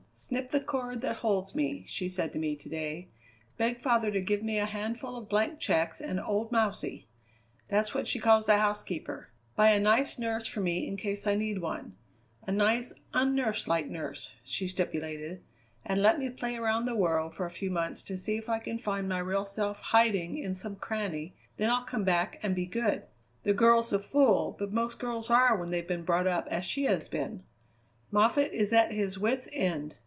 'Snip the cord that holds me,' she said to me to day; 'beg father to give me a handful of blank checks and old Mousey' that's what she calls the housekeeper 'buy a nice nurse for me in case I need one a nice un nurse like nurse,' she stipulated 'and let me play around the world for a few months to see if I can find my real self hiding in some cranny; then I'll come back and be good!' The girl's a fool, but most girls are when they've been brought up as she has been. Moffatt is at his wits' end.